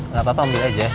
gak apa apa ambil aja